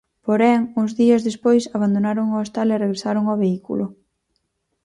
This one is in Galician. Porén, uns días despois abandonaron o hostal e regresaron ao vehículo.